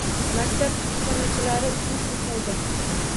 Maktab kutubxonachilari uchun ham foyda.